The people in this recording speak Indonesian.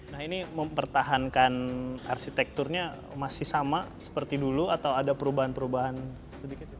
nah ini mempertahankan arsitekturnya masih sama seperti dulu atau ada perubahan perubahan sedikit